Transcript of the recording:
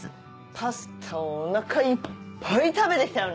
パスタをお腹いっぱい食べてきたよね。